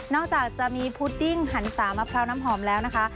จากจะมีพุดดิ้งหันสามะพร้าวน้ำหอมแล้วนะคะ